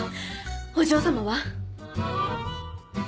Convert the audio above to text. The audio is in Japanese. お嬢様は？